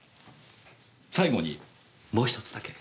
最後にもう１つだけ。